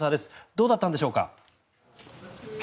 どうだったんでしょうか？